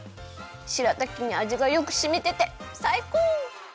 しらたきにあじがよくしみててさいこう！